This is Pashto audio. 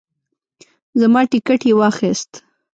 زما ټیکټ یې واخیست.